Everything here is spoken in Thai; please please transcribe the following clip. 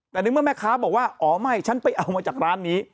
แต่ในเมื่อแม่ค้าบอกว่าอ๋อไม่ฉันไปเอามาจากร้านนี้